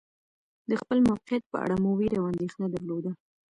د خپل موقعیت په اړه مو وېره او اندېښنه درلوده.